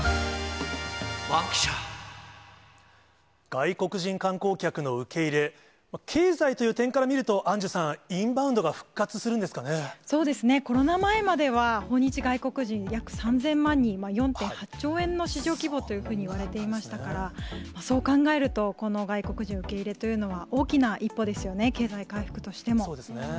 外国人観光客の受け入れ、経済という点から見ると、アンジュさん、インバウンドが復活するそうですね、コロナ前までは、訪日外国人約３０００万人、４．８兆円の市場規模というふうに言われていましたから、そう考えると、この外国人受け入れというのは、大きな一歩ですよね、そうですね。